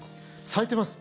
咲いてます。